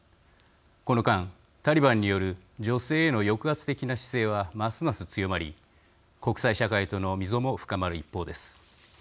この間タリバンによる女性への抑圧的な姿勢はますます強まり国際社会との溝も深まる一方です。